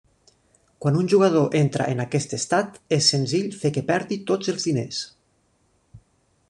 Quan un jugador entra en aquest estat, és senzill fer que perdi tots els diners.